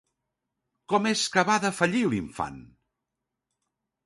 Com és que va defallir l'infant?